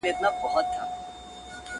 جهانی به له بهاره د سیلیو لښکر یوسي!.